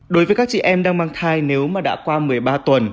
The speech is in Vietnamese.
đối với các chị em đang mang thai nếu mà đã qua một mươi ba tuần